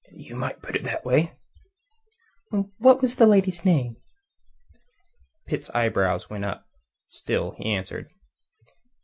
"You might put it that way." "What was the lady's name?" Pitt's eyebrows went up; still he answered.